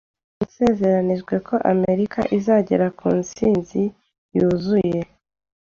yasezeranyije ko Amerika izagera ku ntsinzi yuzuye